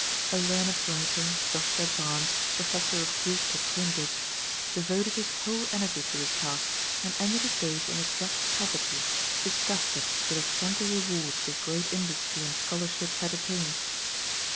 A learned writer, Joshua Barnes, Professor of Greek at Cambridge, devoted his whole energy to the task, and ended his days in abject poverty, disgusted with the scanty rewards his great industry and scholarship had attained.